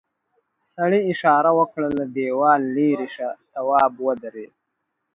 سړي اشاره وکړه له دیوال ليرې شه تواب ودرېد.